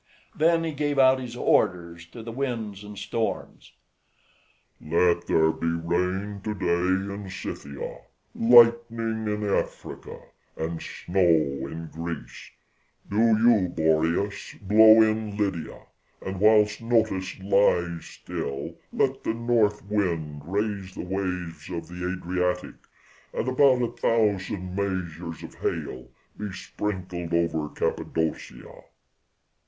Then he gave out his orders to the winds and storms: "Let there be rain to day in Scythia, lightning in Africa, and snow in Greece; do you, Boreas, blow in Lydia, and whilst Notus lies still, let the north wind raise the waves of the Adriatic, and about a thousand measures of hail be sprinkled over Cappadocia."